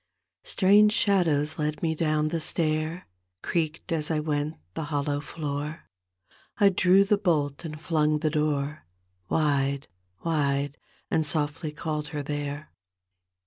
Strange shadows led me down the stair; Creaked as I went the hollow floor; I drew the bolt and flung the door Wide, wide, and softly called her there.